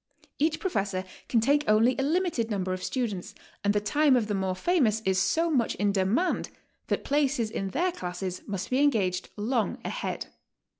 Each professor can take only a limited number of stti dents, and the time of the more famous is so much in demand that places in their classes must be engaged long ahead.